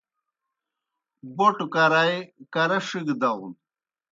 بَوْٹوْ کرائے کرہ ݜِگہ داؤن؟